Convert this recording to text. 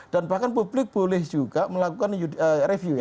dan bahkan publik juga boleh melakukan review ya